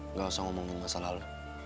nggak usah ngomongin masalah lu